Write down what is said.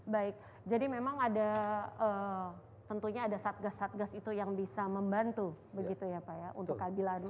baik jadi memang itu jadi kalau di daerah itu pasti memiliki satgas untuk dilaporkan setiap pelanggaran pelanggaran tersebut